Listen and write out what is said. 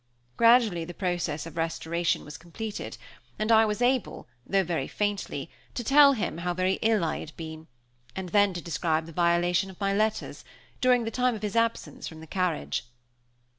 Gradually the process of restoration was completed; and I was able, though very faintly, to tell him how very ill I had been; and then to describe the violation of my letters, during the time of his absence from the carriage.